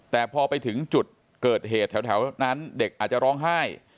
แต่พอไปถึงจุดเกิดเหตุแถวนั้นเด็กอาจจะร้องไห้